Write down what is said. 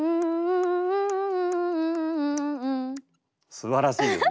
すばらしいですね。